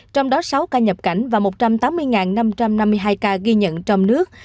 trong đó sáu ca nhập cảnh và một trăm tám mươi năm trăm năm mươi hai ca ghi nhận trong nước